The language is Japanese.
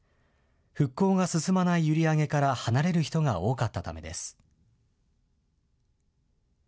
復興が進まない閖上から離れる人が多かったためです。